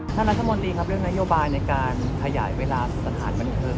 ท่านรัฐมนตรีครับเรื่องนโยบายในการขยายเวลาสถานบันเทิง